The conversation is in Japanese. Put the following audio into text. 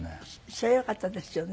それはよかったですよね。